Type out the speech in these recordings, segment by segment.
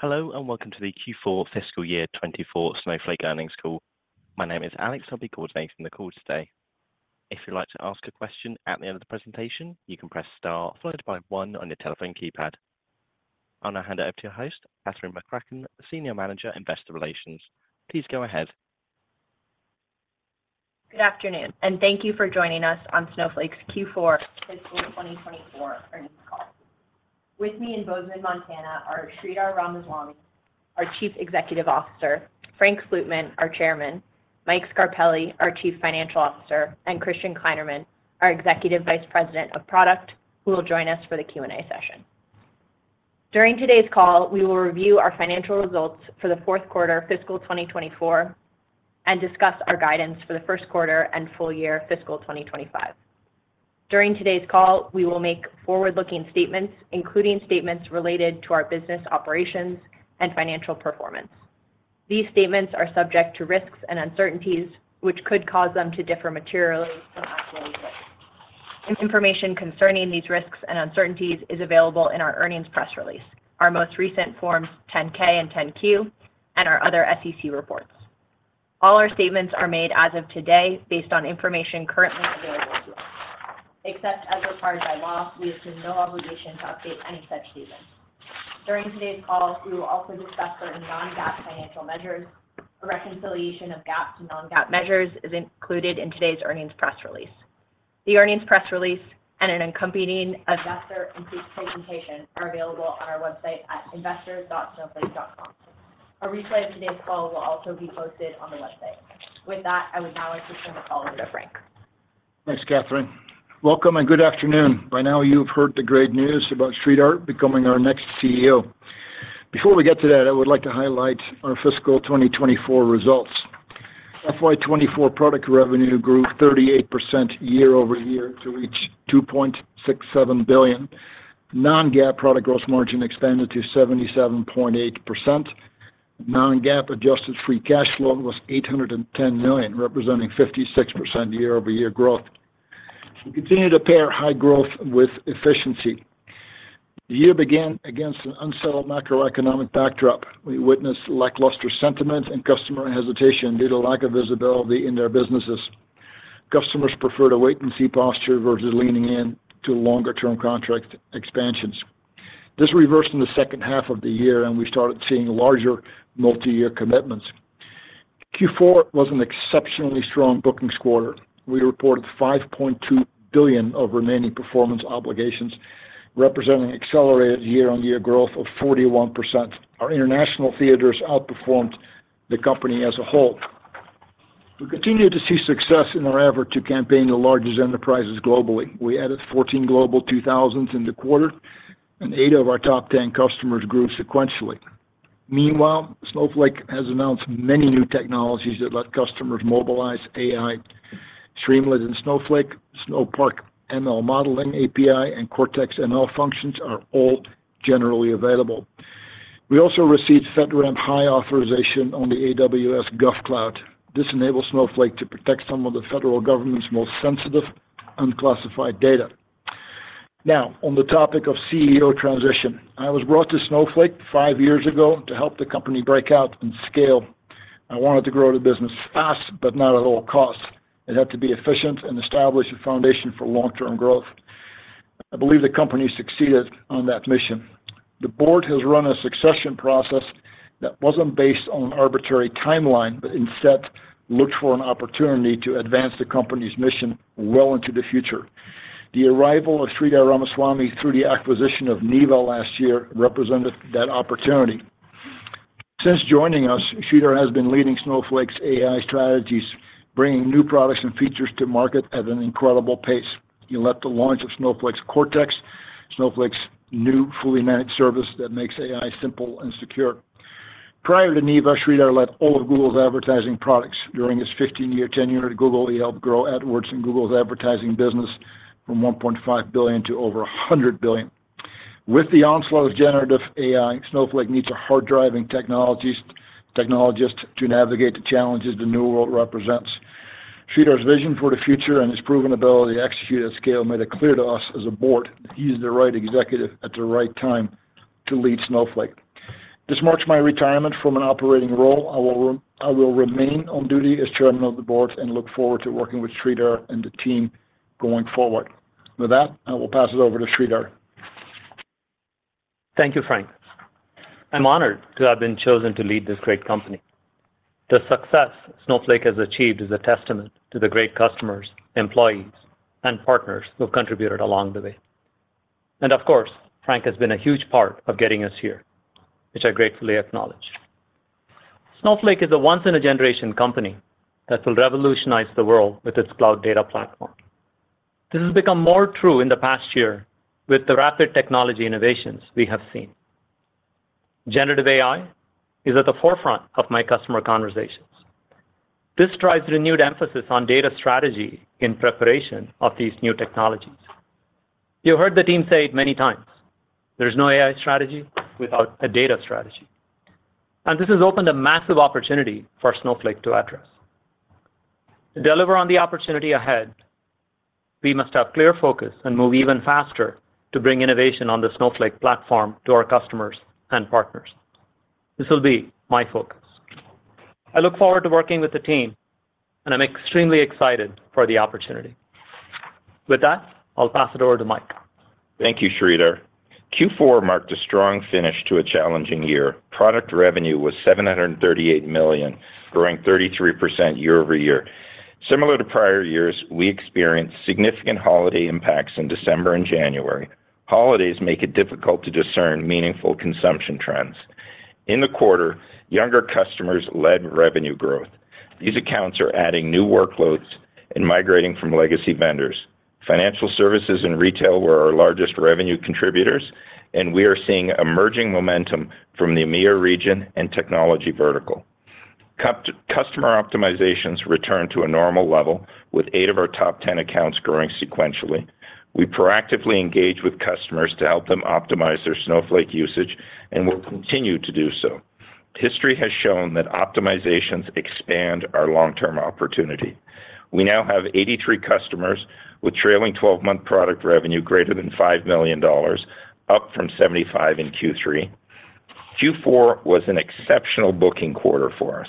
Hello, and welcome to the Q4 fiscal year 2024 Snowflake Earnings Call. My name is Alex, I'll be coordinating the call today. If you'd like to ask a question at the end of the presentation, you can press Star followed by one on your telephone keypad. I'll now hand it over to your host, Katherine McCracken, Senior Manager, Investor Relations. Please go ahead. Good afternoon, and thank you for joining us on Snowflake's Q4 fiscal 2024 earnings call. With me in Bozeman, Montana, are Sridhar Ramaswamy, our Chief Executive Officer, Frank Slootman, our Chairman, Mike Scarpelli, our Chief Financial Officer, and Christian Kleinerman, our Executive Vice President of Product, who will join us for the Q&A session. During today's call, we will review our financial results for the fourth quarter fiscal 2024, and discuss our guidance for the first quarter and full year fiscal 2025. During today's call, we will make forward-looking statements, including statements related to our business operations and financial performance. These statements are subject to risks and uncertainties, which could cause them to differ materially from actual results. Information concerning these risks and uncertainties is available in our earnings press release, our most recent Forms 10-K and 10-Q, and our other SEC reports. All our statements are made as of today, based on information currently available to us. Except as required by law, we assume no obligation to update any such statements. During today's call, we will also discuss certain Non-GAAP financial measures. A reconciliation of GAAP to Non-GAAP measures is included in today's earnings press release. The earnings press release and an accompanying investor presentation are available on our website at investor.snowflake.com. A replay of today's call will also be posted on the website. With that, I would now like to turn the call over to Frank. Thanks, Katherine. Welcome, and good afternoon. By now, you've heard the great news about Sridhar becoming our next CEO. Before we get to that, I would like to highlight our fiscal 2024 results. FY 2024 product revenue grew 38% year-over-year to reach $2.67 billion. Non-GAAP product gross margin expanded to 77.8%. Non-GAAP adjusted free cash flow was $810 million, representing 56% year-over-year growth. We continue to pair high growth with efficiency. The year began against an unsettled macroeconomic backdrop. We witnessed lackluster sentiment and customer hesitation due to lack of visibility in their businesses. Customers preferred a wait-and-see posture versus leaning in to longer-term contract expansions. This reversed in the second half of the year, and we started seeing larger multi-year commitments. Q4 was an exceptionally strong bookings quarter. We reported $5.2 billion of remaining performance obligations, representing accelerated year-on-year growth of 41%. Our international theaters outperformed the company as a whole. We continue to see success in our effort to campaign the largest enterprises globally. We added 14 Global 2000s in the quarter, and eight of our top 10 customers grew sequentially. Meanwhile, Snowflake has announced many new technologies that let customers mobilize AI, Streamlit in Snowflake, Snowpark ML Modeling API, and Cortex ML Functions are all generally available. We also received FedRAMP High authorization on the AWS GovCloud. This enables Snowflake to protect some of the federal government's most sensitive, unclassified data. Now, on the topic of CEO transition, I was brought to Snowflake five years ago to help the company break out and scale. I wanted to grow the business fast, but not at all costs. It had to be efficient and establish a foundation for long-term growth. I believe the company succeeded on that mission. The board has run a succession process that wasn't based on arbitrary timeline, but instead, looked for an opportunity to advance the company's mission well into the future. The arrival of Sridhar Ramaswamy, through the acquisition of Neeva last year, represented that opportunity. Since joining us, Sridhar has been leading Snowflake's AI strategies, bringing new products and features to market at an incredible pace. He led the launch of Snowflake's Cortex, Snowflake's new fully managed service that makes AI simple and secure. Prior to Neeva, Sridhar led all of Google's advertising products. During his 15-year tenure at Google, he helped grow AdWords and Google's advertising business from $1.5 billion to over $100 billion. With the onslaught of generative AI, Snowflake needs a hard-driving technologist to navigate the challenges the new world represents. Sridhar's vision for the future and his proven ability to execute at scale made it clear to us as a board that he is the right executive at the right time to lead Snowflake. This marks my retirement from an operating role. I will remain on duty as chairman of the board and look forward to working with Sridhar and the team going forward. With that, I will pass it over to Sridhar. Thank you, Frank. I'm honored to have been chosen to lead this great company. The success Snowflake has achieved is a testament to the great customers, employees, and partners who have contributed along the way. And of course, Frank has been a huge part of getting us here, which I gratefully acknowledge. Snowflake is a once-in-a-generation company that will revolutionize the world with its cloud data platform. This has become more true in the past year with the rapid technology innovations we have seen. Generative AI is at the forefront of my customer conversations. This drives renewed emphasis on data strategy in preparation of these new technologies. You heard the team say it many times, there's no AI strategy without a data strategy, and this has opened a massive opportunity for Snowflake to address. To deliver on the opportunity ahead, we must have clear focus and move even faster to bring innovation on the Snowflake platform to our customers and partners. This will be my focus. I look forward to working with the team, and I'm extremely excited for the opportunity. With that, I'll pass it over to Mike. Thank you, Sridhar. Q4 marked a strong finish to a challenging year. Product revenue was $738 million, growing 33% year-over-year. Similar to prior years, we experienced significant holiday impacts in December and January. Holidays make it difficult to discern meaningful consumption trends. In the quarter, younger customers led revenue growth. These accounts are adding new workloads and migrating from legacy vendors. Financial services and retail were our largest revenue contributors, and we are seeing emerging momentum from the EMEA region and technology vertical. Customer optimizations returned to a normal level, with eight of our top 10 accounts growing sequentially. We proactively engage with customers to help them optimize their Snowflake usage, and we'll continue to do so. History has shown that optimizations expand our long-term opportunity. We now have 83 customers with trailing twelve-month product revenue greater than $5 million, up from 75 in Q3. Q4 was an exceptional booking quarter for us.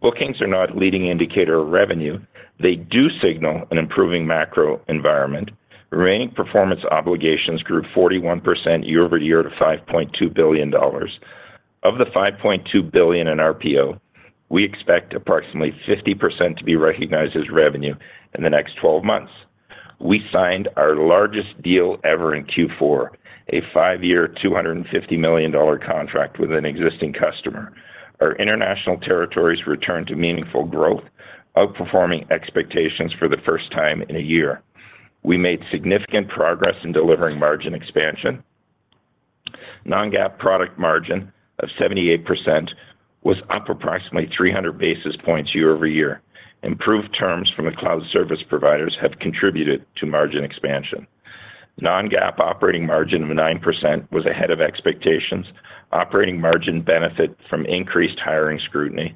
Bookings are not leading indicator of revenue. They do signal an improving macro environment. Remaining performance obligations grew 41% year-over-year to $5.2 billion. Of the $5.2 billion in RPO, we expect approximately 50% to be recognized as revenue in the next twelve months. We signed our largest deal ever in Q4, a five-year, $250 million contract with an existing customer. Our international territories returned to meaningful growth, outperforming expectations for the first time in a year. We made significant progress in delivering margin expansion. Non-GAAP product margin of 78% was up approximately 300 basis points year-over-year. Improved terms from the cloud service providers have contributed to margin expansion. Non-GAAP operating margin of 9% was ahead of expectations. Operating margin benefit from increased hiring scrutiny.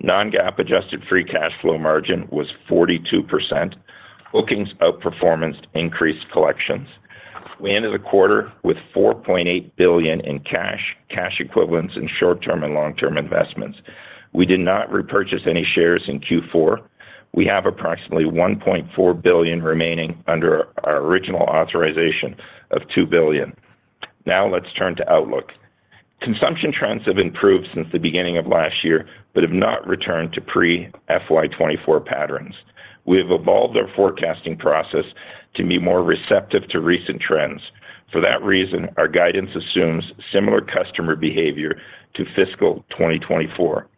Non-GAAP adjusted free cash flow margin was 42%. Bookings outperformance increased collections. We ended the quarter with $4.8 billion in cash, cash equivalents in short-term and long-term investments. We did not repurchase any shares in Q4. We have approximately $1.4 billion remaining under our original authorization of $2 billion. Now let's turn to outlook. Consumption trends have improved since the beginning of last year, but have not returned to pre-FY 2024 patterns. We have evolved our forecasting process to be more receptive to recent trends. For that reason, our guidance assumes similar customer behavior to fiscal 2024.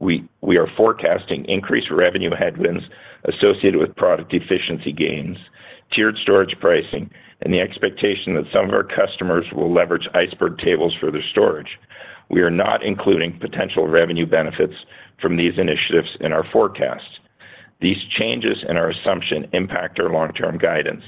We are forecasting increased revenue headwinds associated with product efficiency gains, tiered storage pricing, and the expectation that some of our customers will leverage Iceberg Tables for their storage. We are not including potential revenue benefits from these initiatives in our forecast. These changes in our assumption impact our long-term guidance.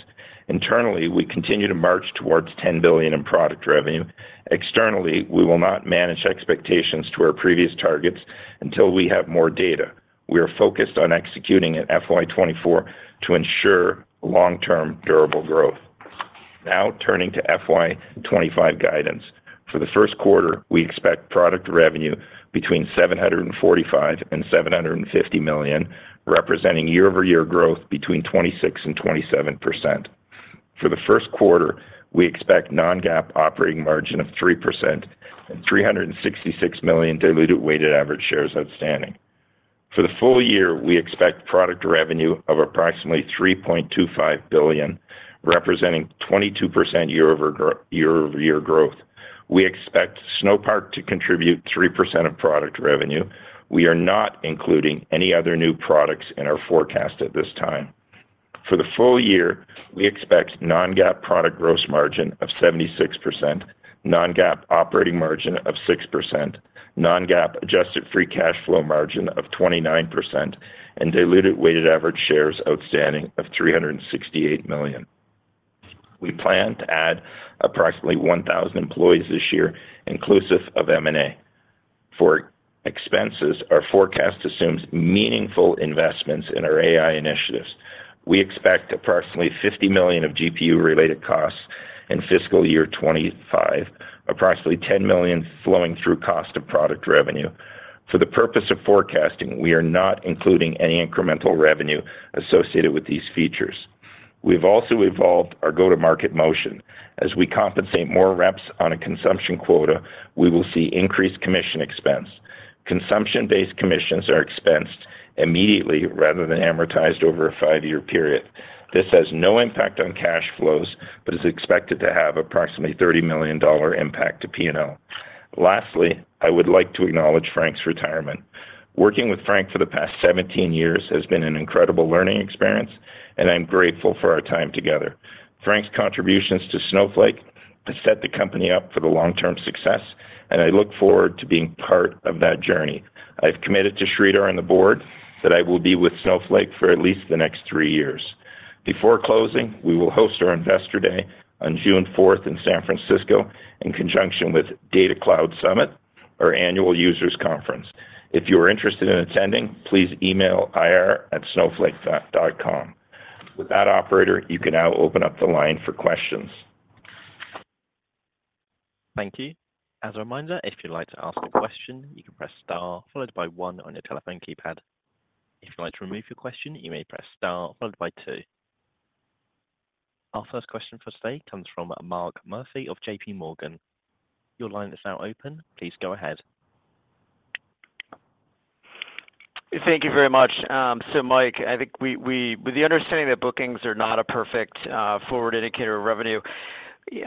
Internally, we continue to march towards $10 billion in product revenue. Externally, we will not manage expectations to our previous targets until we have more data. We are focused on executing at FY 2024 to ensure long-term durable growth. Now, turning to FY 2025 guidance. For the first quarter, we expect product revenue between $745 million and $750 million, representing year-over-year growth between 26% and 27%. For the first quarter, we expect Non-GAAP operating margin of 3% and 366 million diluted weighted average shares outstanding. For the full year, we expect product revenue of approximately $3.25 billion, representing 22% year-over-year growth. We expect Snowpark to contribute 3% of product revenue. We are not including any other new products in our forecast at this time. For the full year, we expect non-GAAP product gross margin of 76%, non-GAAP operating margin of 6%, non-GAAP adjusted free cash flow margin of 29%, and diluted weighted average shares outstanding of 368 million. We plan to add approximately 1,000 employees this year, inclusive of M&A. For expenses, our forecast assumes meaningful investments in our AI initiatives. We expect approximately $50 million of GPU-related costs in fiscal year 2025, approximately $10 million flowing through cost of product revenue. For the purpose of forecasting, we are not including any incremental revenue associated with these features. We've also evolved our go-to-market motion. As we compensate more reps on a consumption quota, we will see increased commission expense. Consumption-based commissions are expensed immediately rather than amortized over a 5-year period. This has no impact on cash flows, but is expected to have approximately $30 million impact to P&L. Lastly, I would like to acknowledge Frank's retirement. Working with Frank for the past 17 years has been an incredible learning experience, and I'm grateful for our time together. Frank's contributions to Snowflake to set the company up for the long-term success, and I look forward to being part of that journey. I've committed to Sridhar and the board that I will be with Snowflake for at least the next three years.... Before closing, we will host our Investor Day on June fourth in San Francisco, in conjunction with Data Cloud Summit, our annual users conference. If you are interested in attending, please email ir@Snowflake.com. With that, operator, you can now open up the line for questions. Thank you. As a reminder, if you'd like to ask a question, you can press Star, followed by one on your telephone keypad. If you'd like to remove your question, you may press Star followed by two. Our first question for today comes from Mark Murphy of JPMorgan. Your line is now open. Please go ahead. Thank you very much. So, Mike, I think we—with the understanding that bookings are not a perfect forward indicator of revenue, you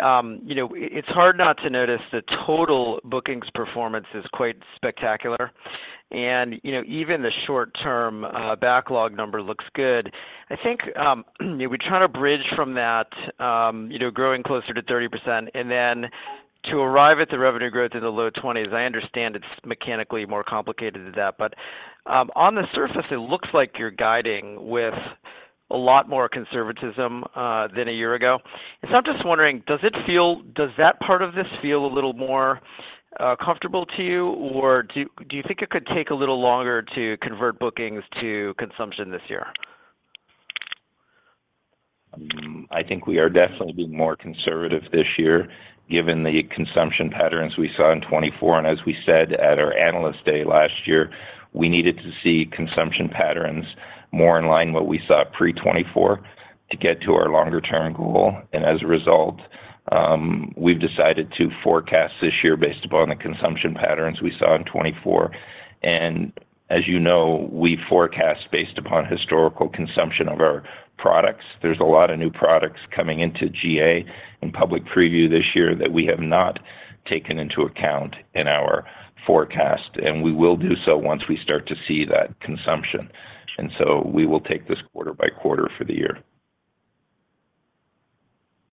know, it's hard not to notice the total bookings performance is quite spectacular. And, you know, even the short-term backlog number looks good. I think we try to bridge from that, you know, growing closer to 30% and then to arrive at the revenue growth in the low 20s%. I understand it's mechanically more complicated than that, but on the surface, it looks like you're guiding with a lot more conservatism than a year ago. And so I'm just wondering, does that part of this feel a little more comfortable to you? Or do you think it could take a little longer to convert bookings to consumption this year? I think we are definitely being more conservative this year, given the consumption patterns we saw in 2024. As we said at our Analyst Day last year, we needed to see consumption patterns more in line with what we saw pre-2024 to get to our longer-term goal. As a result, we've decided to forecast this year based upon the consumption patterns we saw in 2024. As you know, we forecast based upon historical consumption of our products. There's a lot of new products coming into GA in Public Preview this year that we have not taken into account in our forecast, and we will do so once we start to see that consumption. So we will take this quarter by quarter for the year.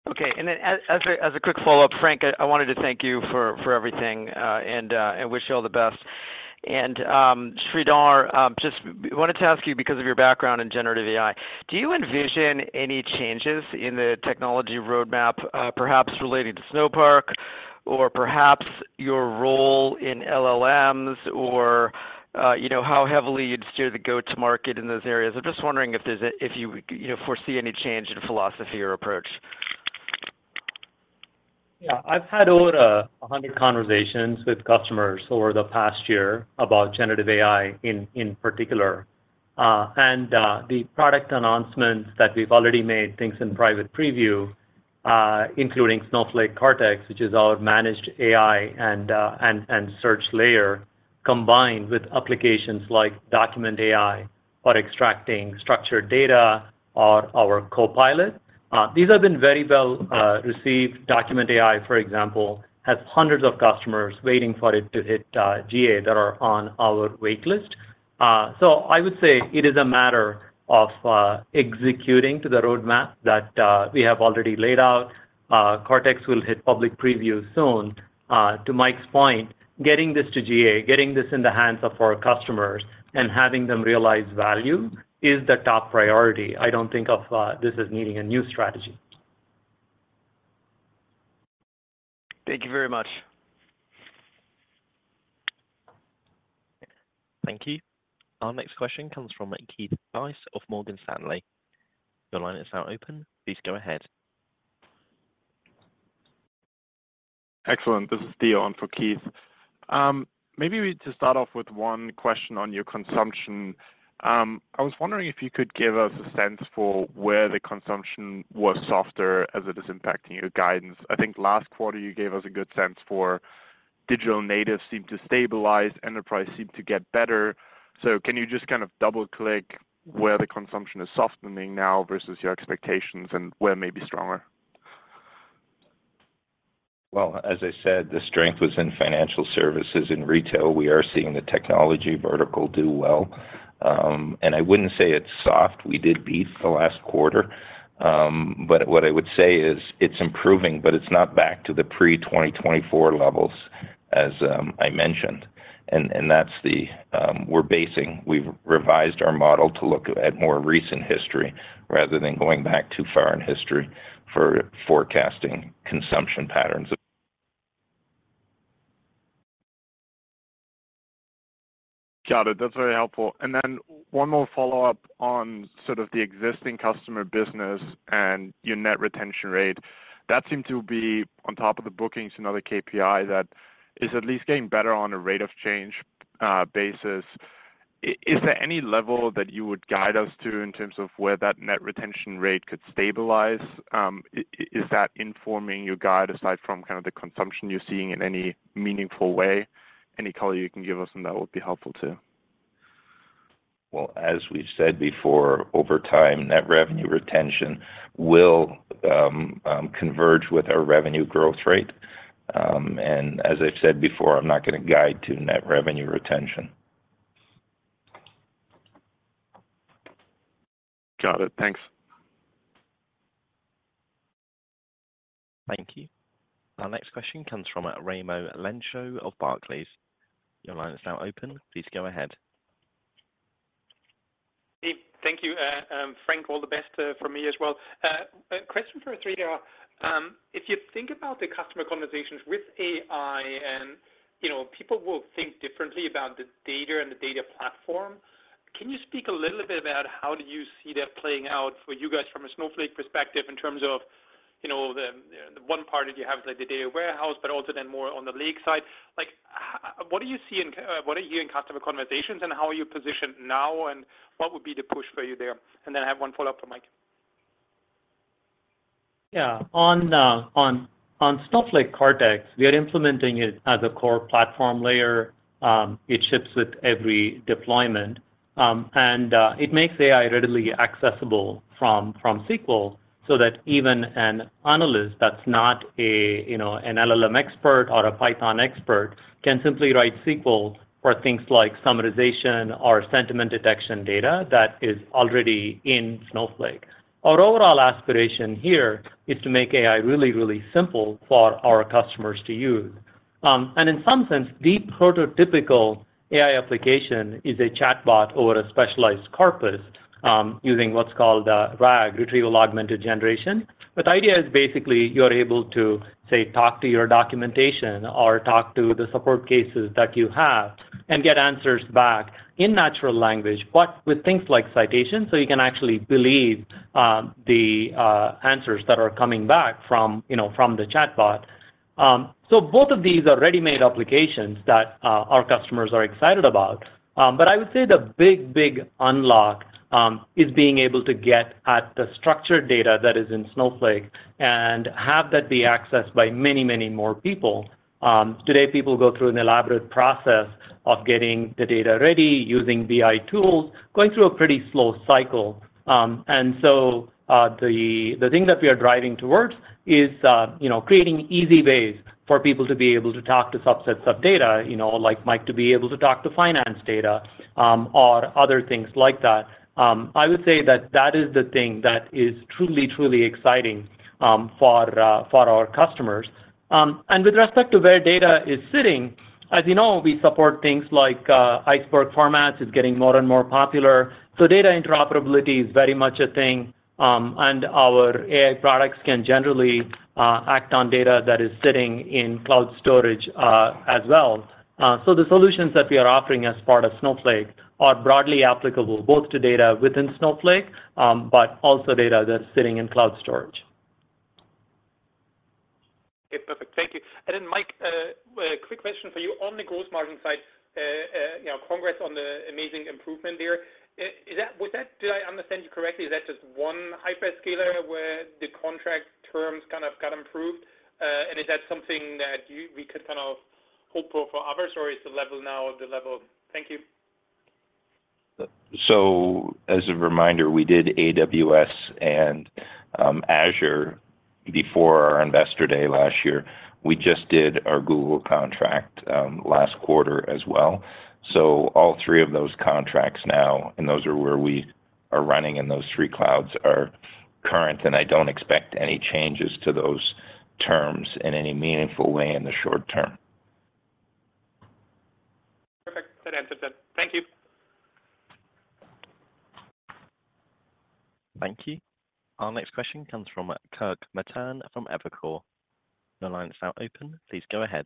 Okay. And then as a quick follow-up, Frank, I wanted to thank you for everything and wish you all the best. And Sridhar, just wanted to ask you, because of your background in generative AI, do you envision any changes in the technology roadmap, perhaps relating to Snowpark or perhaps your role in LLMs or, you know, how heavily you'd steer the go-to-market in those areas? I'm just wondering if you, you know, foresee any change in philosophy or approach. Yeah. I've had over 100 conversations with customers over the past year about generative AI in particular and the product announcements that we've already made, things in private preview, including Snowflake Cortex, which is our managed AI and search layer, combined with applications like Document AI for extracting structured data or our Copilot. These have been very well received. Document AI, for example, has hundreds of customers waiting for it to hit GA that are on our wait list. So I would say it is a matter of executing to the roadmap that we have already laid out. Cortex will hit public preview soon. To Mike's point, getting this to GA, getting this in the hands of our customers and having them realize value is the top priority. I don't think of this as needing a new strategy. Thank you very much. Thank you. Our next question comes from Keith Weiss of Morgan Stanley. Your line is now open. Please go ahead. Excellent. This is Dion for Keith. Maybe to start off with one question on your consumption. I was wondering if you could give us a sense for where the consumption was softer as it is impacting your guidance. I think last quarter you gave us a good sense for digital natives seem to stabilize, enterprise seem to get better. So can you just kind of double-click where the consumption is softening now versus your expectations and where maybe stronger? Well, as I said, the strength was in financial services, in retail. We are seeing the technology vertical do well. And I wouldn't say it's soft. We did beat the last quarter. But what I would say is it's improving, but it's not back to the pre-2024 levels, as I mentioned. And that's the... We've revised our model to look at more recent history, rather than going back too far in history for forecasting consumption patterns. Got it. That's very helpful. And then one more follow-up on sort of the existing customer business and your net retention rate. That seemed to be on top of the bookings, another KPI that is at least getting better on a rate of change, basis. Is there any level that you would guide us to in terms of where that net retention rate could stabilize? Is that informing your guide aside from kind of the consumption you're seeing in any meaningful way? Any color you can give us on that would be helpful, too. Well, as we've said before, over time, Net Revenue Retention will converge with our revenue growth rate. And as I've said before, I'm not going to guide to Net Revenue Retention. Got it. Thanks. Thank you. Our next question comes from Raimo Lenschow of Barclays. Your line is now open. Please go ahead. Hey, thank you. Frank, all the best from me as well. A question for Sridhar. If you think about the customer conversations with AI, and, you know, people will think differently about the data and the data platform, can you speak a little bit about how do you see that playing out for you guys from a Snowflake perspective in terms of, you know, the one part that you have, like, the data warehouse, but also then more on the lake side? Like, what do you see in what are you hearing customer conversations, and how are you positioned now, and what would be the push for you there? And then I have one follow-up for Mike. Yeah. On Snowflake Cortex, we are implementing it as a core platform layer. It ships with every deployment. And it makes AI readily accessible from SQL, so that even an analyst that's not a, you know, an LLM expert or a Python expert, can simply write SQL for things like summarization or sentiment detection data that is already in Snowflake. Our overall aspiration here is to make AI really, really simple for our customers to use. And in some sense, the prototypical AI application is a chatbot over a specialized corpus, using what's called RAG: Retrieval Augmented Generation. But the idea is basically you're able to, say, talk to your documentation or talk to the support cases that you have and get answers back in natural language, but with things like citations, so you can actually believe the answers that are coming back from, you know, from the chatbot. So both of these are ready-made applications that our customers are excited about. But I would say the big, big unlock is being able to get at the structured data that is in Snowflake and have that be accessed by many, many more people. Today, people go through an elaborate process of getting the data ready, using BI tools, going through a pretty slow cycle. And so, the thing that we are driving towards is, you know, creating easy ways for people to be able to talk to subsets of data, you know, like Mike, to be able to talk to finance data, or other things like that. I would say that that is the thing that is truly, truly exciting, for our customers. And with respect to where data is sitting, as you know, we support things like Iceberg formats. It's getting more and more popular, so data interoperability is very much a thing. And our AI products can generally act on data that is sitting in cloud storage, as well. So the solutions that we are offering as part of Snowflake are broadly applicable, both to data within Snowflake, but also data that's sitting in cloud storage. Okay, perfect. Thank you. And then, Mike, a quick question for you. On the gross margin side, you know, congrats on the amazing improvement there. Is that-- Was that... Did I understand you correctly, is that just one hyperscaler where the contract terms kind of got improved? And is that something that you- we could kind of hope for, for others, or is the level now the level? Thank you. So as a reminder, we did AWS and, Azure before our Investor Day last year. We just did our Google contract, last quarter as well. So all three of those contracts now, and those are where we are running, and those three clouds are current, and I don't expect any changes to those terms in any meaningful way in the short term. Perfect. That answers it. Thank you. Thank you. Our next question comes from Kirk Materne, from Evercore. Your line is now open. Please go ahead.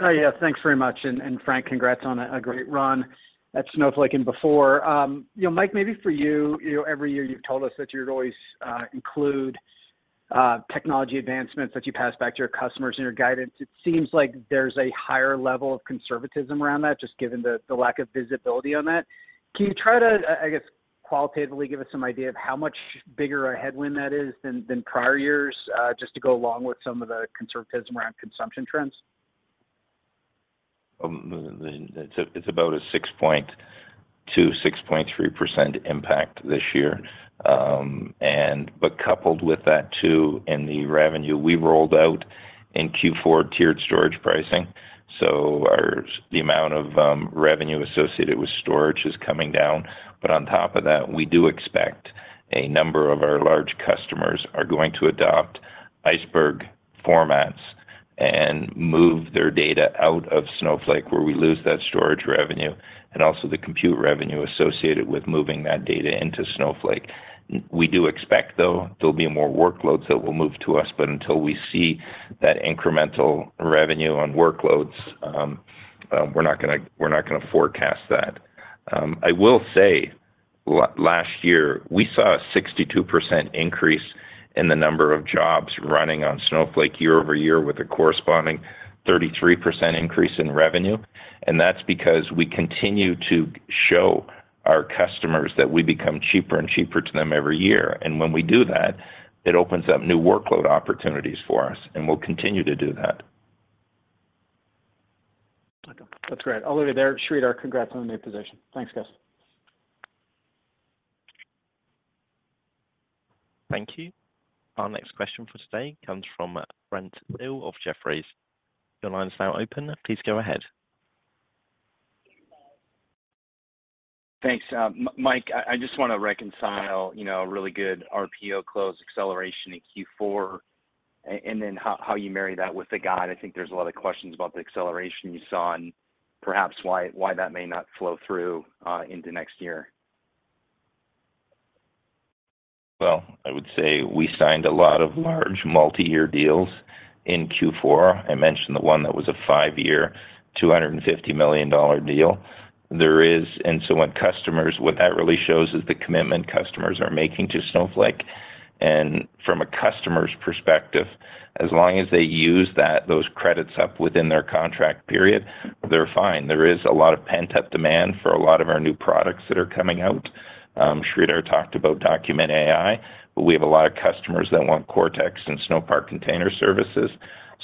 Yes, thanks very much. And Frank, congrats on a great run at Snowflake and before. You know, Mike, maybe for you, you know, every year you've told us that you'd always include technology advancements that you pass back to your customers in your guidance. It seems like there's a higher level of conservatism around that, just given the lack of visibility on that. Can you try to, I guess, qualitatively give us some idea of how much bigger a headwind that is than prior years, just to go along with some of the conservatism around consumption trends? It's about a 6.2%-6.3% impact this year. But coupled with that too, in the revenue, we rolled out in Q4 tiered storage pricing. So our... The amount of revenue associated with storage is coming down, but on top of that, we do expect a number of our large customers are going to adopt Iceberg formats and move their data out of Snowflake, where we lose that storage revenue and also the compute revenue associated with moving that data into Snowflake. We do expect, though, there'll be more workloads that will move to us, but until we see that incremental revenue on workloads, we're not gonna forecast that. I will say, last year, we saw a 62% increase in the number of jobs running on Snowflake year-over-year, with a corresponding 33% increase in revenue, and that's because we continue to show our customers that we become cheaper and cheaper to them every year. And when we do that, it opens up new workload opportunities for us, and we'll continue to do that. That's great. I'll leave it there. Sridhar, congrats on the new position. Thanks, guys. Thank you. Our next question for today comes from Brent Thill of Jefferies. Your line is now open. Please go ahead. Thanks, Mike, I just wanna reconcile, you know, a really good RPO close acceleration in Q4, and then how you marry that with the guide. I think there's a lot of questions about the acceleration you saw, and perhaps why that may not flow through into next year. Well, I would say we signed a lot of large multi-year deals in Q4. I mentioned the one that was a five-year, $250 million deal. What that really shows is the commitment customers are making to Snowflake. And from a customer's perspective, as long as they use that, those credits up within their contract period, they're fine. There is a lot of pent-up demand for a lot of our new products that are coming out. Sridhar talked about Document AI, but we have a lot of customers that want Cortex and Snowpark Container Services.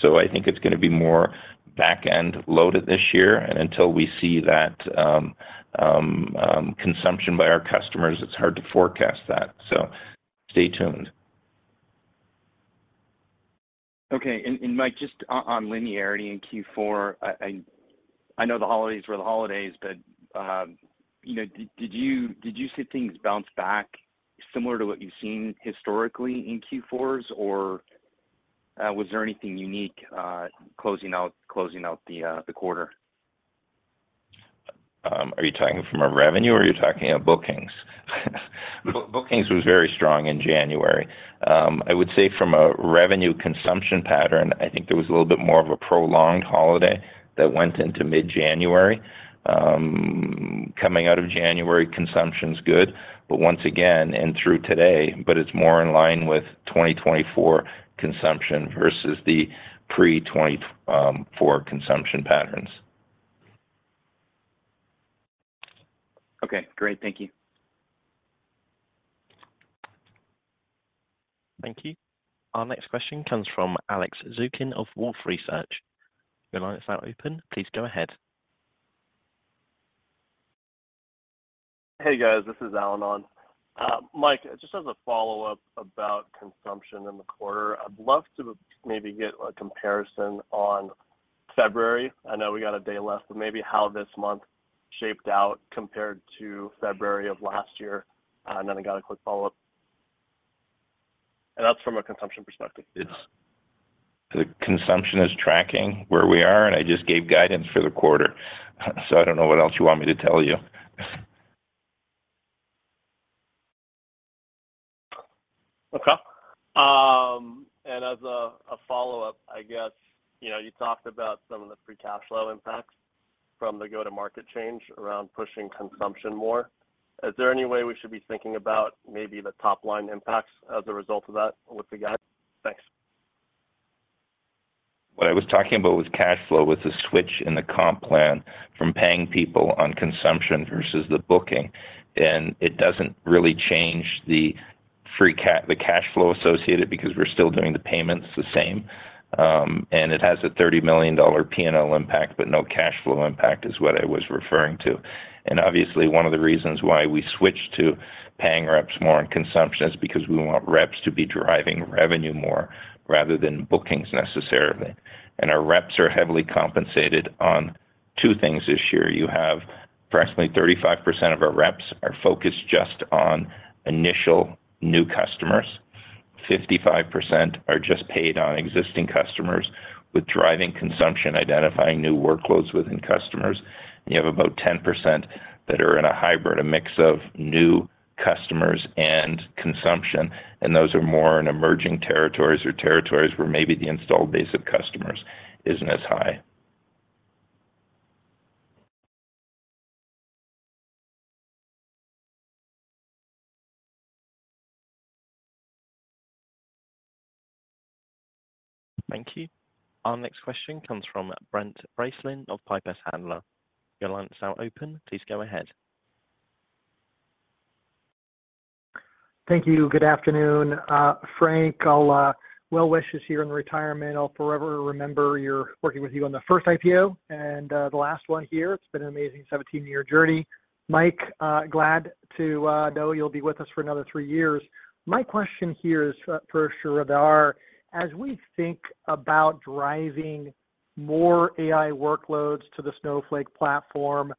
So I think it's gonna be more back-end loaded this year, and until we see that, consumption by our customers, it's hard to forecast that. So stay tuned. Okay, Mike, just on linearity in Q4, I know the holidays were the holidays, but you know, did you see things bounce back similar to what you've seen historically in Q4s? Or, was there anything unique closing out the quarter? Are you talking from a revenue or are you talking on bookings? Bookings was very strong in January. I would say from a revenue consumption pattern, I think there was a little bit more of a prolonged holiday that went into mid-January. Coming out of January, consumption's good, but once again, and through today, but it's more in line with 2024 consumption versus the pre-2020 consumption patterns. Okay, great. Thank you. Thank you. Our next question comes from Alex Zukin of Wolfe Research. Your line is now open, please go ahead. Hey, guys, this is Alan on. Mike, just as a follow-up about consumption in the quarter, I'd love to maybe get a comparison on February. I know we got a day left, but maybe how this month shaped out compared to February of last year. And then I got a quick follow-up. And that's from a consumption perspective. The consumption is tracking where we are, and I just gave guidance for the quarter, so I don't know what else you want me to tell you. Okay. As a follow-up, I guess, you know, you talked about some of the free cash flow impacts from the go-to-market change around pushing consumption more. Is there any way we should be thinking about maybe the top-line impacts as a result of that with the guide? Thanks. What I was talking about was cash flow, with the switch in the comp plan from paying people on consumption versus the booking. And it doesn't really change the cash flow associated, because we're still doing the payments the same. And it has a $30 million P&L impact, but no cash flow impact, is what I was referring to. And obviously, one of the reasons why we switched to paying reps more on consumption is because we want reps to be deriving revenue more rather than bookings, necessarily. And our reps are heavily compensated on two things this year. You have approximately 35% of our reps are focused just on initial new customers. 55% are just paid on existing customers with driving consumption, identifying new workloads within customers. You have about 10% that are in a hybrid, a mix of new customers and consumption, and those are more in emerging territories or territories where maybe the installed base of customers isn't as high. Thank you. Our next question comes from Brent Bracelin of Piper Sandler. Your line is now open, please go ahead. Thank you. Good afternoon. Frank, I'll well wish this year in retirement. I'll forever remember your working with you on the first IPO and the last one here. It's been an amazing 17-year journey. Mike, glad to know you'll be with us for another three years. My question here is for Sridhar: As we think about driving more AI workloads to the Snowflake platform,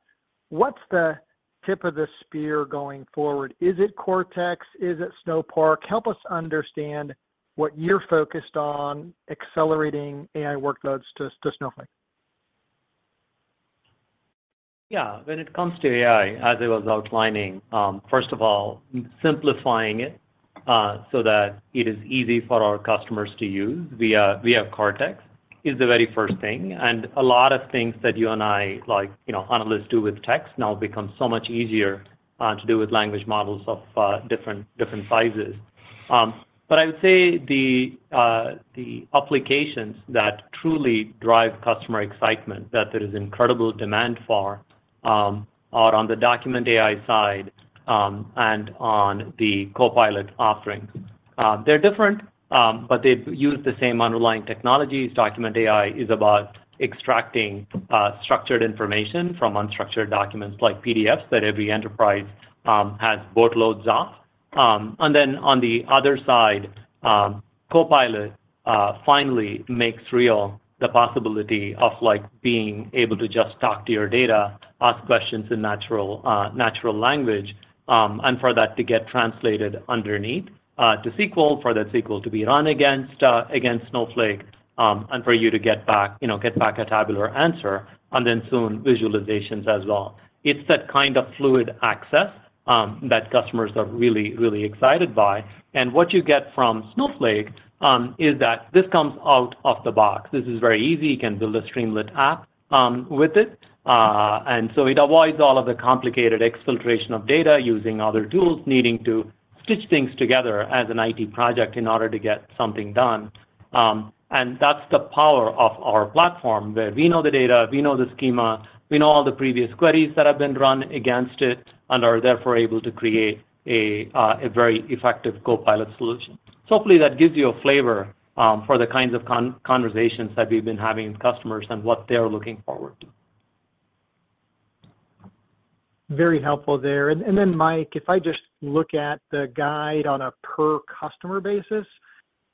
what's the tip of the spear going forward? Is it Cortex? Is it Snowpark? Help us understand what you're focused on accelerating AI workloads to, to Snowflake. Yeah, when it comes to AI, as I was outlining, first of all, simplifying it, so that it is easy for our customers to use via Cortex is the very first thing. And a lot of things that you and I, like, you know, analysts do with text, now becomes so much easier, to do with language models of different sizes. But I would say the applications that truly drive customer excitement, that there is incredible demand for, are on the Document AI side, and on the Copilot offerings. They're different, but they use the same underlying technologies. Document AI is about extracting structured information from unstructured documents like PDFs, that every enterprise has boatloads of. And then on the other side, Copilot finally makes real the possibility of like being able to just talk to your data, ask questions in natural, natural language, and for that to get translated underneath to SQL, for that SQL to be run against against Snowflake, and for you to get back, you know, get back a tabular answer, and then soon visualizations as well. It's that kind of fluid access that customers are really, really excited by. And what you get from Snowflake is that this comes out of the box. This is very easy. You can build a Streamlit app with it. And so it avoids all of the complicated exfiltration of data using other tools, needing to stitch things together as an IT project in order to get something done. That's the power of our platform, where we know the data, we know the schema, we know all the previous queries that have been run against it, and are therefore able to create a very effective Copilot solution. Hopefully that gives you a flavor for the kinds of conversations that we've been having with customers and what they are looking forward to. Very helpful there. And then, Mike, if I just look at the guide on a per customer basis,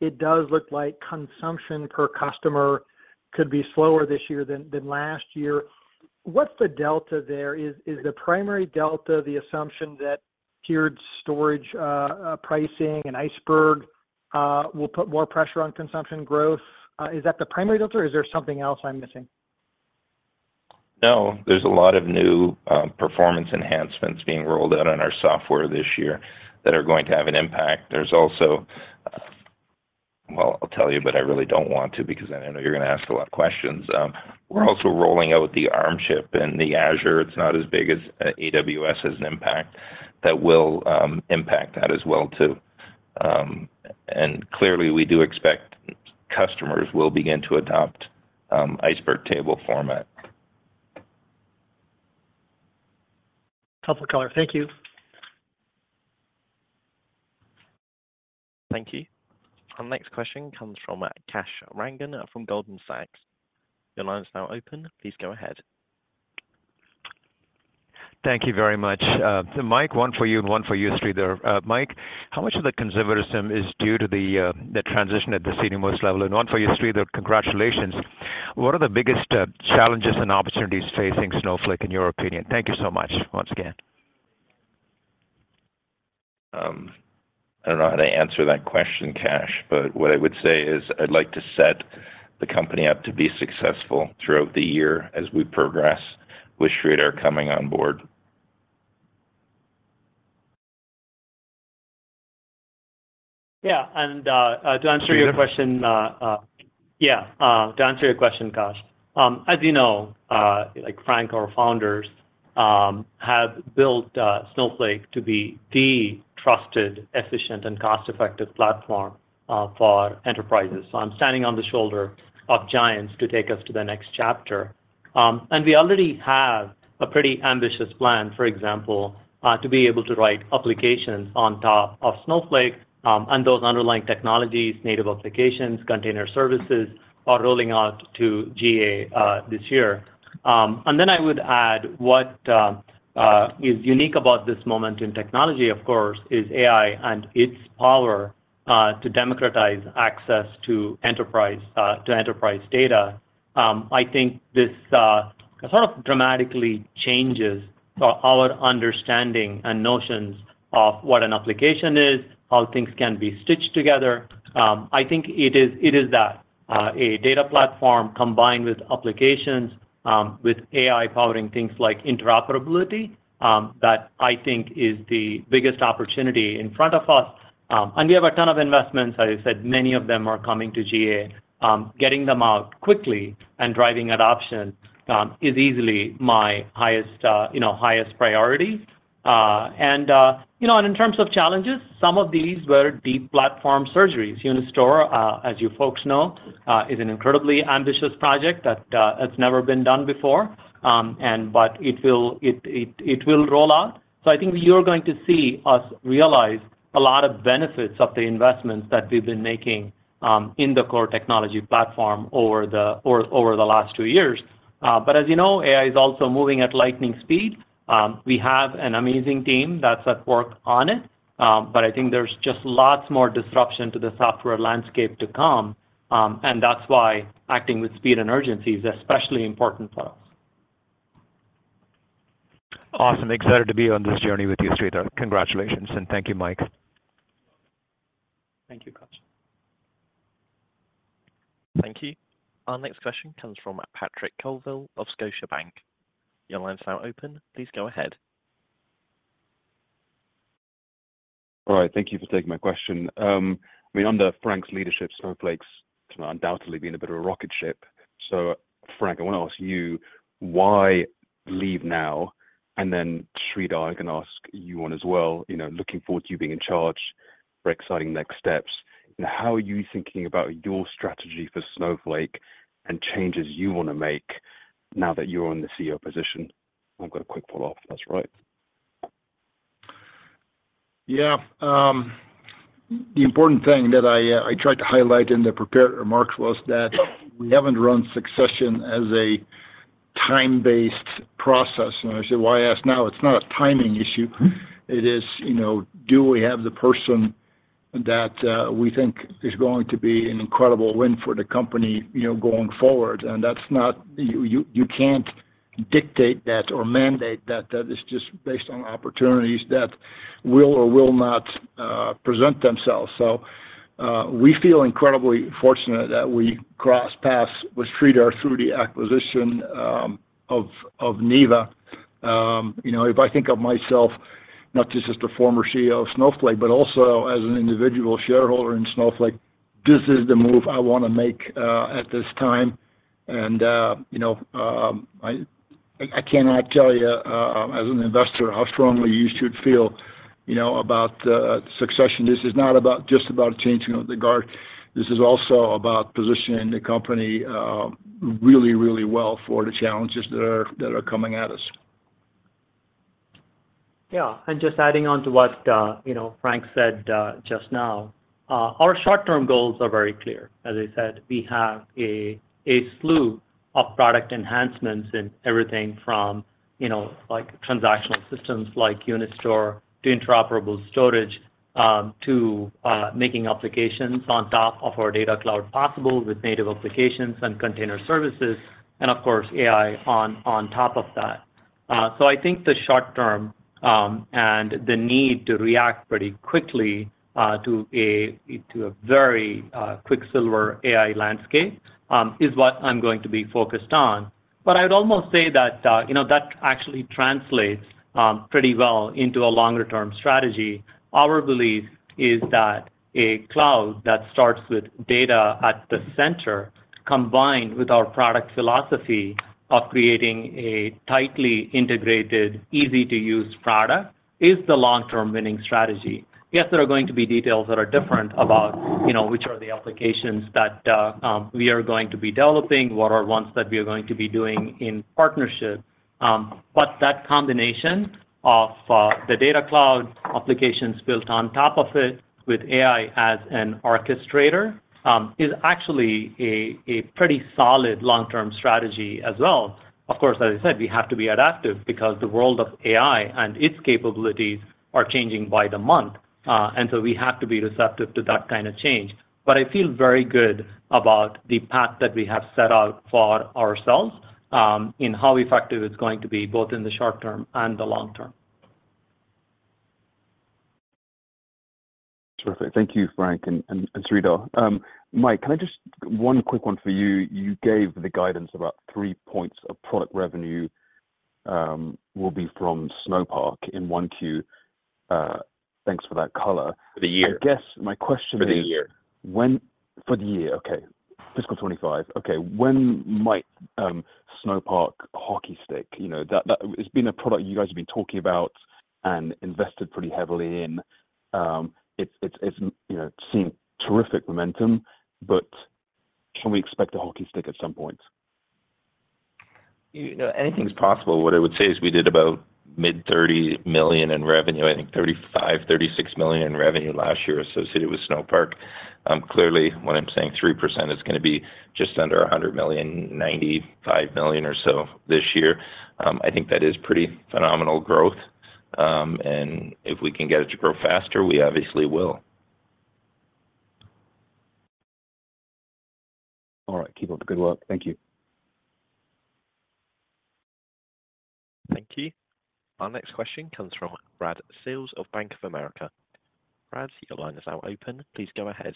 it does look like consumption per customer could be slower this year than last year. What's the delta there? Is the primary delta the assumption that tiered storage pricing and Iceberg will put more pressure on consumption growth? Is that the primary delta, or is there something else I'm missing? No, there's a lot of new performance enhancements being rolled out on our software this year that are going to have an impact. There's also... Well, I'll tell you, but I really don't want to, because then I know you're gonna ask a lot of questions. We're also rolling out the Arm chip and the Azure. It's not as big as AWS as an impact that will impact that as well, too. And clearly, we do expect customers will begin to adopt Iceberg table format. Helpful color. Thank you. Thank you. Our next question comes from Kash Rangan from Goldman Sachs. Your line is now open. Please go ahead. Thank you very much. Mike, one for you, and one for you, Sridhar. Mike, how much of the conservatism is due to the transition at the senior-most level? And one for you, Sridhar. Congratulations. What are the biggest challenges and opportunities facing Snowflake, in your opinion? Thank you so much once again. I don't know how to answer that question, Kash, but what I would say is, I'd like to set the company up to be successful throughout the year as we progress with Sridhar coming on board. To answer your question, Kash, as you know, like Frank, our founders have built Snowflake to be the trusted, efficient, and cost-effective platform for enterprises. So I'm standing on the shoulder of giants to take us to the next chapter. And we already have a pretty ambitious plan, for example, to be able to write applications on top of Snowflake, and those underlying technologies, native applications, container services, are rolling out to GA this year. And then I would add what is unique about this moment in technology, of course, is AI and its power to democratize access to enterprise data. I think this sort of dramatically changes our understanding and notions of what an application is, how things can be stitched together. I think it is, it is that a data platform combined with applications with AI powering things like interoperability that I think is the biggest opportunity in front of us. And we have a ton of investments. As I said, many of them are coming to GA. Getting them out quickly and driving adoption is easily my highest you know highest priority. And you know and in terms of challenges, some of these were deep platform surgeries. Unistore as you folks know is an incredibly ambitious project that has never been done before. But it will, it, it, it will roll out. So I think you're going to see us realize a lot of benefits of the investments that we've been making in the core technology platform over the last two years. But as you know, AI is also moving at lightning speed. We have an amazing team that's at work on it, but I think there's just lots more disruption to the software landscape to come, and that's why acting with speed and urgency is especially important for us. Awesome. Excited to be on this journey with you, Sridhar. Congratulations, and thank you, Mike. Thank you, Kash. Thank you. Our next question comes from Patrick Colville of Scotiabank. Your line is now open. Please go ahead. All right, thank you for taking my question. I mean, under Frank's leadership, Snowflake's undoubtedly been a bit of a rocket ship. So Frank, I want to ask you, why leave now? And then, Sridhar, I can ask you one as well. You know, looking forward to you being in charge for exciting next steps. And how are you thinking about your strategy for Snowflake and changes you want to make now that you're in the CEO position? I've got a quick follow-up. That's right.... Yeah, the important thing that I tried to highlight in the prepared remarks was that we haven't run succession as a time-based process. I said, why ask now? It's not a timing issue. It is, you know, do we have the person that we think is going to be an incredible win for the company, you know, going forward? And that's not. You can't dictate that or mandate that, that is just based on opportunities that will or will not present themselves. So, we feel incredibly fortunate that we crossed paths with Sridhar through the acquisition of Neeva. You know, if I think of myself not just as the former CEO of Snowflake, but also as an individual shareholder in Snowflake, this is the move I wanna make at this time. You know, I cannot tell you, as an investor, how strongly you should feel, you know, about succession. This is not just about changing of the guard. This is also about positioning the company really, really well for the challenges that are coming at us. Yeah, and just adding on to what, you know, Frank said, just now. Our short-term goals are very clear. As I said, we have a slew of product enhancements in everything from, you know, like transactional systems like Unistore to interoperable storage, to making applications on top of our data cloud possible with native applications and container services, and of course, AI on top of that. So I think the short term and the need to react pretty quickly to a very quicksilver AI landscape is what I'm going to be focused on. But I'd almost say that, you know, that actually translates pretty well into a longer-term strategy. Our belief is that a cloud that starts with data at the center, combined with our product philosophy of creating a tightly integrated, easy-to-use product, is the long-term winning strategy. Yes, there are going to be details that are different about, you know, which are the applications that, we are going to be developing, what are ones that we are going to be doing in partnership. But that combination of, the data cloud applications built on top of it with AI as an orchestrator, is actually a pretty solid long-term strategy as well. Of course, as I said, we have to be adaptive because the world of AI and its capabilities are changing by the month, and so we have to be receptive to that kind of change. But I feel very good about the path that we have set out for ourselves, in how effective it's going to be, both in the short term and the long term. Terrific. Thank you, Frank and Sridhar. Mike, can I just... One quick one for you. You gave the guidance about three points of product revenue, will be from Snowpark in 1Q. Thanks for that color. For the year. I guess my question is. For the year. When for the year, okay. Fiscal 25. Okay, when might Snowpark hockey stick? You know, that, that it's been a product you guys have been talking about and invested pretty heavily in. It's, you know, seen terrific momentum, but can we expect a hockey stick at some point? You know, anything's possible. What I would say is we did about mid-$30 million in revenue, I think $35 million-$36 million in revenue last year associated with Snowpark. Clearly, when I'm saying 3%, it's gonna be just under $100 million, $95 million or so this year. I think that is pretty phenomenal growth. And if we can get it to grow faster, we obviously will. All right. Keep up the good work. Thank you. Thank you. Our next question comes from Brad Sills of Bank of America. Brad, your line is now open. Please go ahead.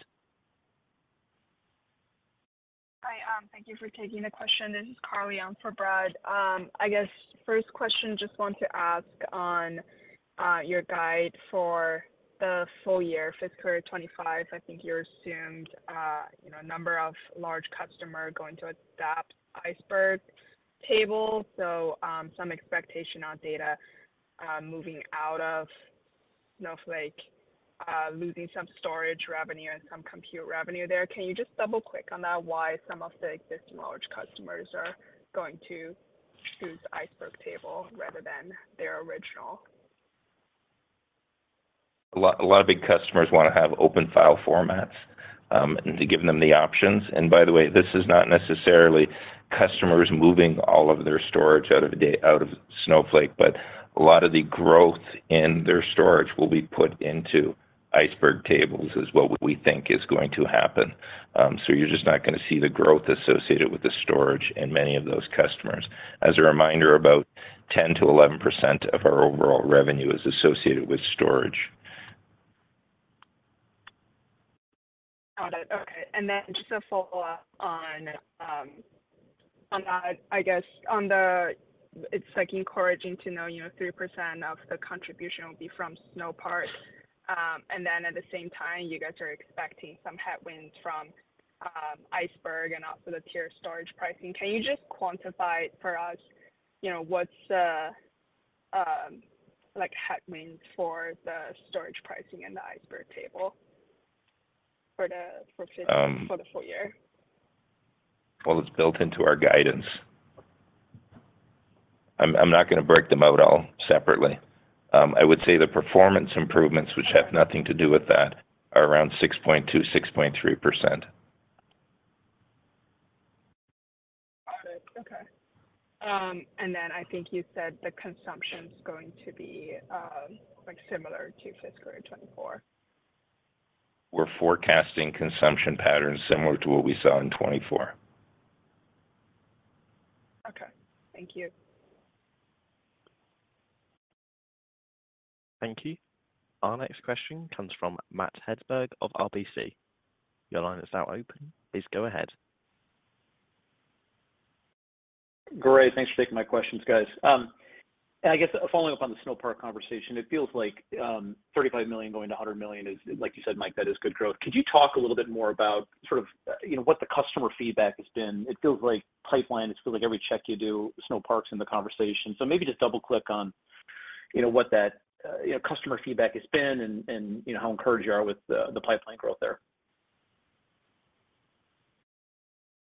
Hi, thank you for taking the question. This is Carly on for Brad. I guess first question, just want to ask on, your guide for the full year, fiscal 2025. I think you assumed, you know, a number of large customer going to adopt Iceberg table, so, some expectation on data, moving out of Snowflake, losing some storage revenue and some compute revenue there. Can you just double-click on that, why some of the existing large customers are going to choose Iceberg table rather than their original? A lot, a lot of big customers wanna have open file formats to give them the options. By the way, this is not necessarily customers moving all of their storage out of Snowflake, but a lot of the growth in their storage will be put into Iceberg Tables, is what we think is going to happen. So you're just not gonna see the growth associated with the storage in many of those customers. As a reminder, about 10%-11% of our overall revenue is associated with storage. Got it. Okay. And then just a follow-up on, on that, I guess, on the... It's, like, encouraging to know, you know, 3% of the contribution will be from Snowpark. And then at the same time, you guys are expecting some headwinds from, Iceberg and also the tier storage pricing. Can you just quantify for us, you know, what's the, like, headwinds for the storage pricing in the Iceberg table for the, for the. Um For the full year? Well, it's built into our guidance. I'm not gonna break them out all separately. I would say the performance improvements, which have nothing to do with that, are around 6.2%-6.3%. Got it. Okay. And then I think you said the consumption's going to be, like, similar to fiscal 2024? We're forecasting consumption patterns similar to what we saw in 2024. Okay. Thank you. Thank you. Our next question comes from Matt Hedberg of RBC. Your line is now open. Please go ahead. Great. Thanks for taking my questions, guys. I guess following up on the Snowpark conversation, it feels like $35 million going to $100 million is, like you said, Mike, that is good growth. Could you talk a little bit more about sort of, you know, what the customer feedback has been? It feels like pipeline. It feels like every check you do, Snowpark's in the conversation. So maybe just double-click on, you know, what that, you know, customer feedback has been and, and, you know, how encouraged you are with the, the pipeline growth there.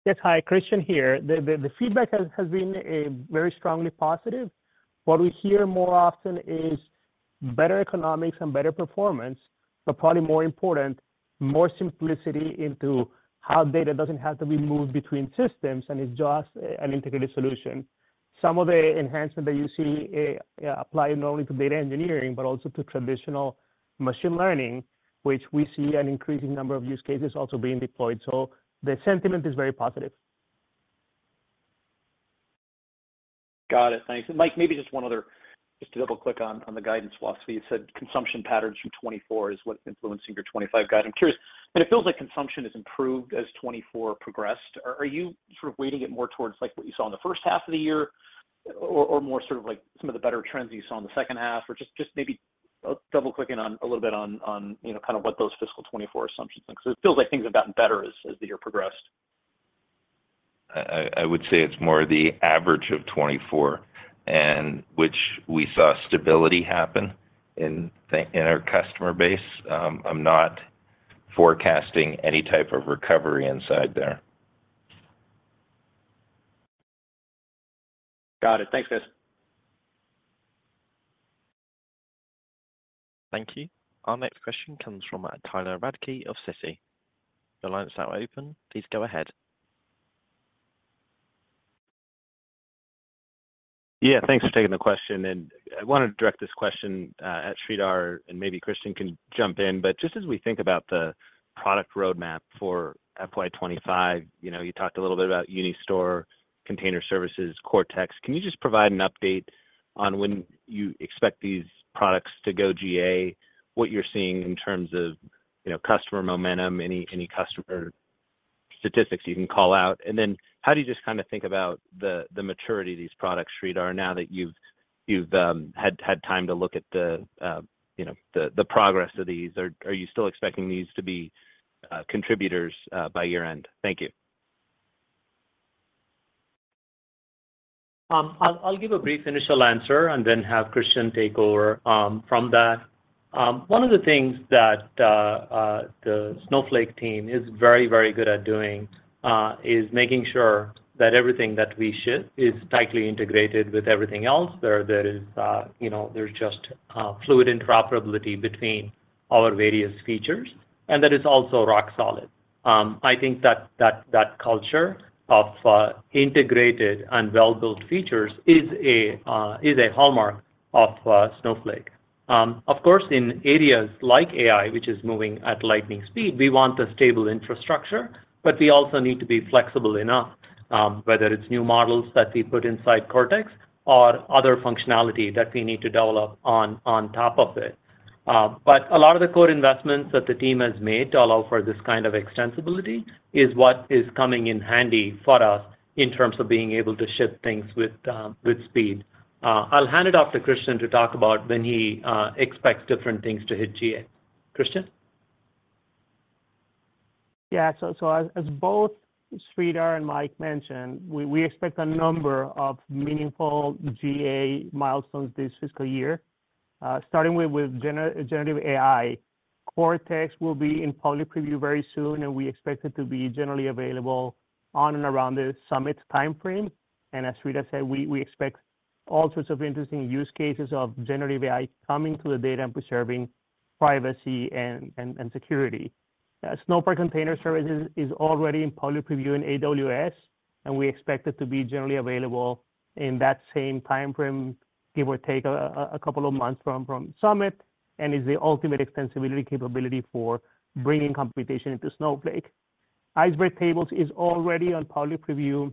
Yes, hi. Christian here. The feedback has been very strongly positive. What we hear more often is better economics and better performance, but probably more important, more simplicity into how data doesn't have to be moved between systems and it's just an integrated solution. Some of the enhancement that you see apply not only to data engineering, but also to traditional machine learning, which we see an increasing number of use cases also being deployed. So the sentiment is very positive. Got it. Thanks. And Mike, maybe just one other, just to double-click on the guidance philosophy. You said consumption patterns from 2024 is what's influencing your 2025 guide. I'm curious, and it feels like consumption has improved as 2024 progressed. Are you sort of weighting it more towards, like, what you saw in the first half of the year or more sort of like some of the better trends you saw in the second half? Or just maybe double-clicking on a little bit on, you know, kind of what those fiscal 2024 assumptions are. 'Cause it feels like things have gotten better as the year progressed. I would say it's more the average of 24, and which we saw stability happen in our customer base. I'm not forecasting any type of recovery inside there. Got it. Thanks, guys. Thank you. Our next question comes from Tyler Radke of Citi. Your line is now open, please go ahead. Yeah, thanks for taking the question, and I wanted to direct this question at Sridhar, and maybe Christian can jump in. But just as we think about the product roadmap for FY 2025, you know, you talked a little bit about Unistore, Container Services, Cortex. Can you just provide an update on when you expect these products to go GA, what you're seeing in terms of, you know, customer momentum, any customer statistics you can call out? And then how do you just kinda think about the maturity of these products, Sridhar, now that you've had time to look at the, you know, the progress of these? Are you still expecting these to be contributors by year-end? Thank you. I'll give a brief initial answer and then have Christian take over from that. One of the things that the Snowflake team is very, very good at doing is making sure that everything that we ship is tightly integrated with everything else. There is, you know, there's just fluid interoperability between our various features, and that it's also rock solid. I think that that culture of integrated and well-built features is a is a hallmark of Snowflake. Of course, in areas like AI, which is moving at lightning speed, we want a stable infrastructure, but we also need to be flexible enough, whether it's new models that we put inside Cortex or other functionality that we need to develop on top of it. But a lot of the core investments that the team has made to allow for this kind of extensibility is what is coming in handy for us in terms of being able to ship things with speed. I'll hand it off to Christian to talk about when he expects different things to hit GA. Christian? Yeah, so as both Sridhar and Mike mentioned, we expect a number of meaningful GA milestones this fiscal year, starting with generative AI. Cortex will be in public preview very soon, and we expect it to be generally available on and around the Summit timeframe. And as Sridhar said, we expect all sorts of interesting use cases of generative AI coming to the data and preserving privacy and security. Snowflake Container Services is already in public preview in AWS, and we expect it to be generally available in that same timeframe, give or take a couple of months from Summit, and is the ultimate extensibility capability for bringing computation into Snowflake. Iceberg Tables is already on public preview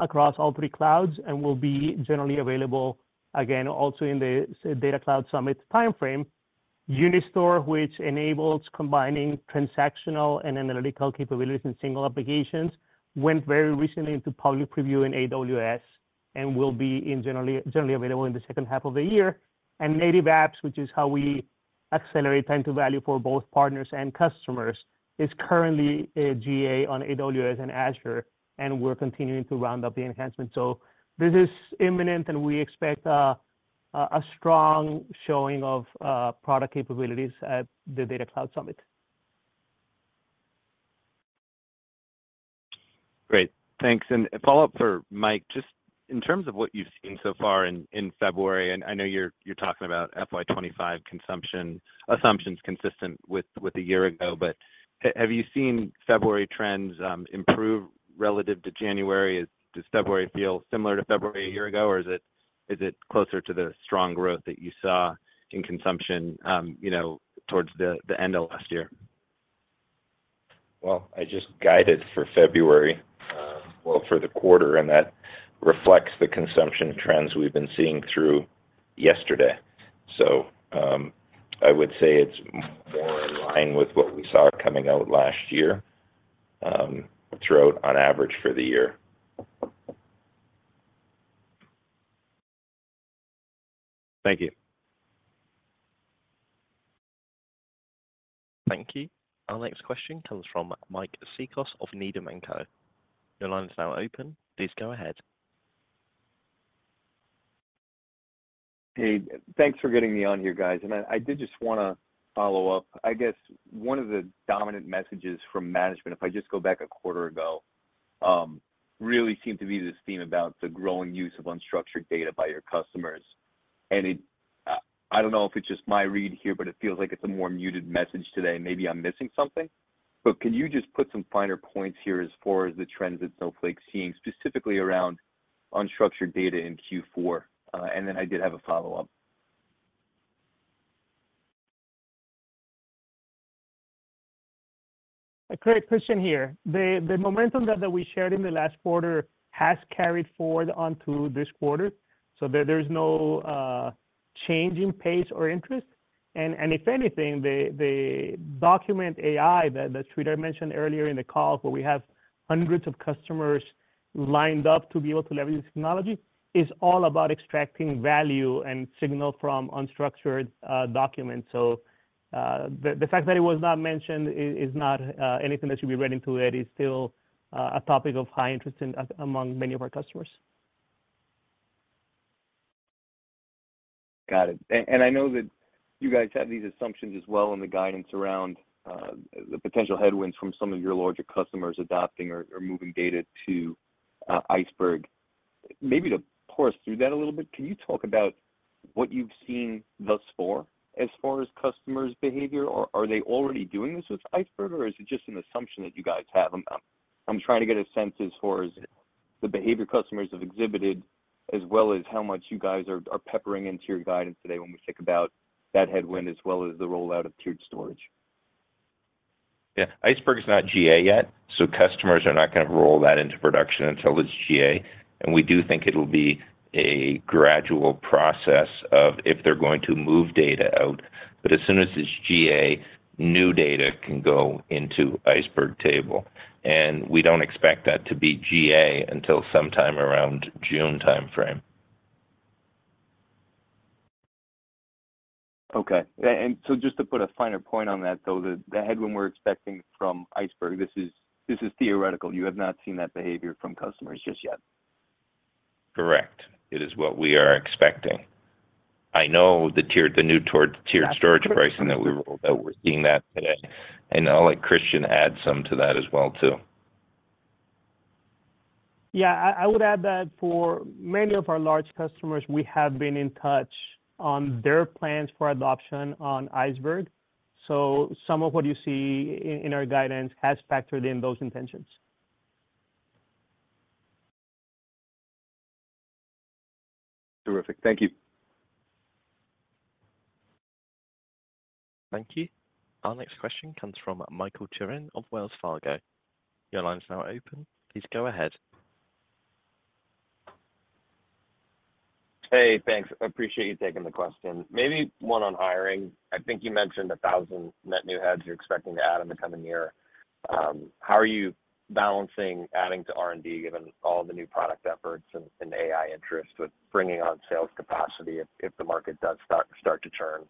across all three clouds and will be generally available, again, also in the Data Cloud Summit timeframe. Unistore, which enables combining transactional and analytical capabilities in single applications, went very recently into public preview in AWS and will be in generally available in the second half of the year. And Native Apps, which is how we accelerate time to value for both partners and customers, is currently a GA on AWS and Azure, and we're continuing to round up the enhancement. So this is imminent, and we expect a strong showing of product capabilities at the Data Cloud Summit. Great, thanks. A follow-up for Mike, just in terms of what you've seen so far in February, and I know you're talking about FY 2025 consumption assumptions consistent with a year ago, but have you seen February trends improve relative to January? Does February feel similar to February a year ago, or is it closer to the strong growth that you saw in consumption, you know, towards the end of last year? Well, I just guided for February, well, for the quarter, and that reflects the consumption trends we've been seeing through yesterday. So, I would say it's more in line with what we saw coming out last year, throughout on average for the year. Thank you. Thank you. Our next question comes from Mike Cikos of Needham and Co. Your line is now open. Please go ahead. Hey, thanks for getting me on here, guys. I did just wanna follow up. I guess one of the dominant messages from management, if I just go back a quarter ago, really seemed to be this theme about the growing use of unstructured data by your customers. It... I don't know if it's just my read here, but it feels like it's a more muted message today. Maybe I'm missing something, but can you just put some finer points here as far as the trends that Snowflake's seeing, specifically around unstructured data in Q4? And then I did have a follow-up. A great question here. The momentum that we shared in the last quarter has carried forward onto this quarter, so there's no change in pace or interest. And if anything, the Document AI that Sridhar mentioned earlier in the call, where we have hundreds of customers lined up to be able to leverage this technology, is all about extracting value and signal from unstructured documents. So the fact that it was not mentioned is not anything that should be read into it. It is still a topic of high interest among many of our customers. Got it. And I know that you guys had these assumptions as well in the guidance around the potential headwinds from some of your larger customers adopting or, or moving data to Iceberg. Maybe to walk us through that a little bit, can you talk about what you've seen thus far as far as customers' behavior? Or are they already doing this with Iceberg, or is it just an assumption that you guys have about? I'm trying to get a sense as far as the behavior customers have exhibited, as well as how much you guys are, are baking into your guidance today when we think about that headwind, as well as the rollout of tiered storage. Yeah, Iceberg is not GA yet, so customers are not gonna roll that into production until it's GA. And we do think it'll be a gradual process of if they're going to move data out. But as soon as it's GA, new data can go into Iceberg table, and we don't expect that to be GA until sometime around June timeframe. Okay. And so just to put a finer point on that, though, the headwind we're expecting from Iceberg, this is theoretical. You have not seen that behavior from customers just yet? Correct. It is what we are expecting. I know the new two-tiered storage pricing that we rolled out, we're seeing that today. And I'll let Christian add some to that as well, too. Yeah, I would add that for many of our large customers, we have been in touch on their plans for adoption on Iceberg. So some of what you see in our guidance has factored in those intentions. Terrific. Thank you. Thank you. Our next question comes from Michael Turrin of Wells Fargo. Your line is now open. Please go ahead. Hey, thanks. I appreciate you taking the question. Maybe one on hiring. I think you mentioned 1,000 net new heads you're expecting to add in the coming year. How are you balancing adding to R&D, given all the new product efforts and AI interest, with bringing on sales capacity if the market does start to turn?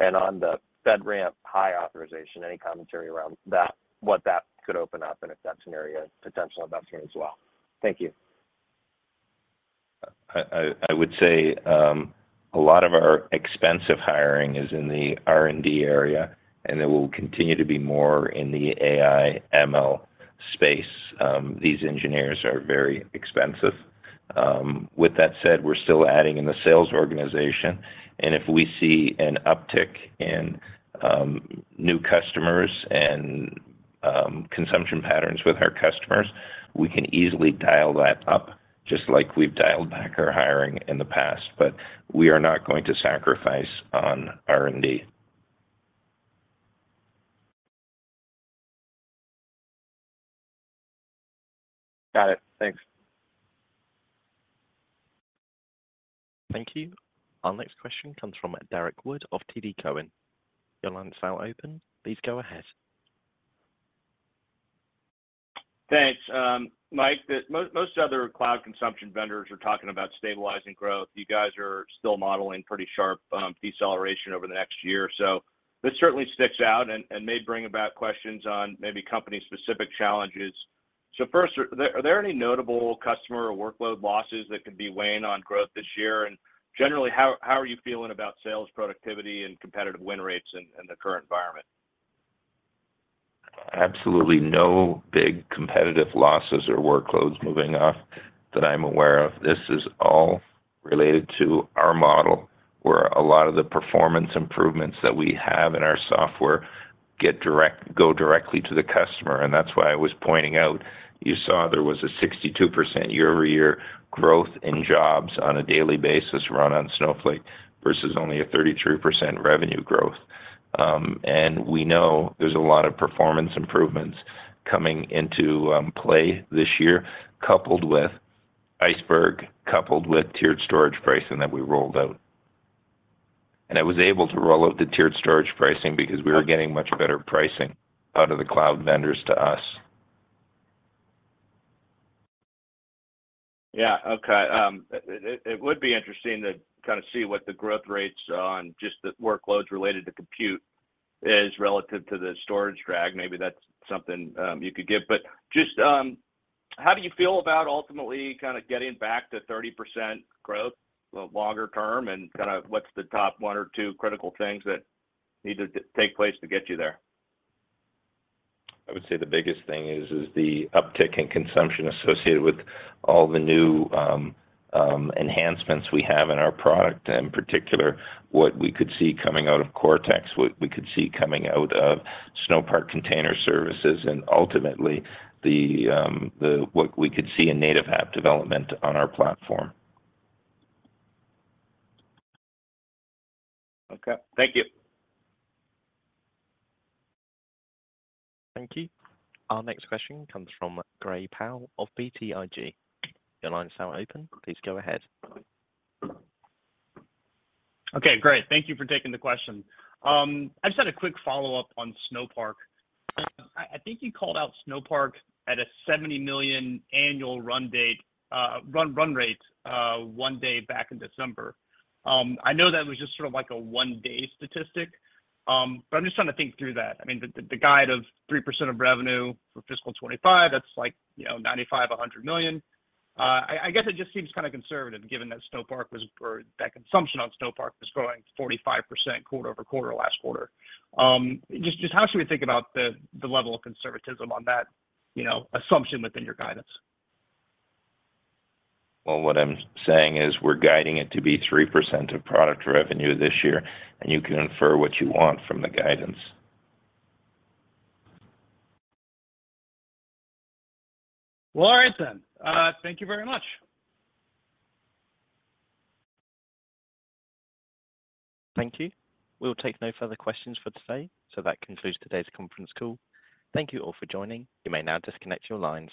And on the FedRAMP High authorization, any commentary around that, what that could open up, and if that's an area, potential investment as well? Thank you. I would say a lot of our expensive hiring is in the R&D area, and there will continue to be more in the AI, ML space. These engineers are very expensive. With that said, we're still adding in the sales organization, and if we see an uptick in new customers and consumption patterns with our customers, we can easily dial that up, just like we've dialed back our hiring in the past. But we are not going to sacrifice on R&D. Got it. Thanks. Thank you. Our next question comes from Derek Wood of TD Cowen. Your line is now open. Please go ahead. Thanks, Mike. The most other cloud consumption vendors are talking about stabilizing growth. You guys are still modeling pretty sharp deceleration over the next year. So this certainly sticks out and may bring about questions on maybe company-specific challenges. So first, are there any notable customer or workload losses that could be weighing on growth this year? And generally, how are you feeling about sales productivity and competitive win rates in the current environment? Absolutely no big competitive losses or workloads moving off that I'm aware of. This is all related to our model, where a lot of the performance improvements that we have in our software go directly to the customer, and that's why I was pointing out. You saw there was a 62% year-over-year growth in jobs on a daily basis run on Snowflake, versus only a 33% revenue growth. And we know there's a lot of performance improvements coming into play this year, coupled with Iceberg, coupled with tiered storage pricing that we rolled out. And I was able to roll out the tiered storage pricing because we were getting much better pricing out of the cloud vendors to us. Yeah. Okay. It would be interesting to kind of see what the growth rates on just the workloads related to compute is relative to the storage drag. Maybe that's something you could give. But just, how do you feel about ultimately kind of getting back to 30% growth, the longer term, and kind of what's the top one or two critical things that need to take place to get you there? I would say the biggest thing is the uptick in consumption associated with all the new enhancements we have in our product, and in particular, what we could see coming out of Cortex, what we could see coming out of Snowpark Container Services, and ultimately, the what we could see in Native App development on our platform. Okay. Thank you. Thank you. Our next question comes from Gray Powell of BTIG. Your line is now open, please go ahead. Okay, great. Thank you for taking the question. I just had a quick follow-up on Snowpark. I think you called out Snowpark at a $70 million annual run rate one day back in December. I know that was just sort of, like, a one-day statistic, but I'm just trying to think through that. I mean, the guide of 3% of revenue for fiscal 2025, that's like, you know, $95 million-$100 million. I guess it just seems kind of conservative, given that Snowpark was... or that consumption on Snowpark was growing 45% quarter-over-quarter last quarter. Just how should we think about the level of conservatism on that, you know, assumption within your guidance? Well, what I'm saying is, we're guiding it to be 3% of product revenue this year, and you can infer what you want from the guidance. Well, all right, then. Thank you very much. Thank you. We'll take no further questions for today, so that concludes today's conference call. Thank you all for joining. You may now disconnect your lines.